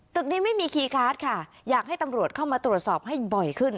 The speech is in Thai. ตึกนี้ไม่มีคีย์การ์ดค่ะอยากให้ตำรวจเข้ามาตรวจสอบให้บ่อยขึ้น